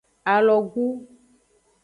Alogu.